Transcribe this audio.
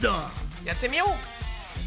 やってみよう！